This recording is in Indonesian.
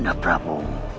tidak ada perabu